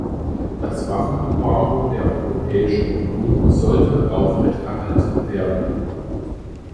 Das Waffenembargo der Europäischen Union sollte aufrechterhalten werden.